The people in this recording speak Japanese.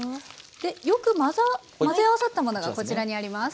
でよく混ぜ合わさったものがこちらにあります。